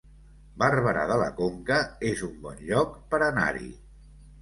Barberà de la Conca es un bon lloc per anar-hi